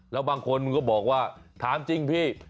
แล้วบางคนก็บอกว่าถามจริงพี่